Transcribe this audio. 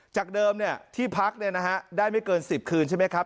จากเดิมเนี่ยที่พักเนี่ยนะฮะได้ไม่เกินสิบคืนใช่ไหมครับ